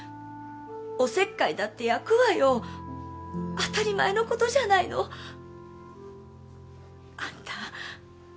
おせっかいだって焼くわよ当たり前のことじゃないのあんた